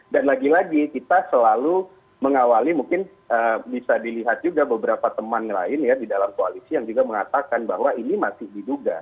dan lagi lagi kita selalu mengawali mungkin bisa dilihat juga beberapa teman lain ya di dalam koalisi yang juga mengatakan bahwa ini masih diduga